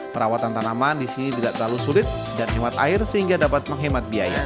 perawatan tanaman di sini tidak terlalu sulit dan hemat air sehingga dapat menghemat biaya